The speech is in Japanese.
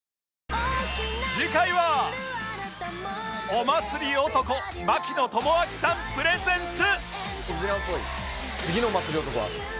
お祭り男槙野智章さんプレゼンツ